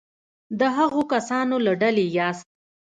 د هغو کسانو له ډلې یاست.